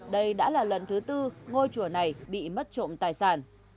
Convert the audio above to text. đây đã là lần thứ tư ngôi chùa này bị mất trộm tài sản